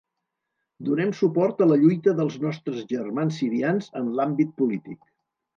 Donem suport a la lluita dels nostres germans sirians en l’àmbit polític.